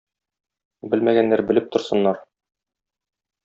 Белмәгәннәр белеп торсыннар!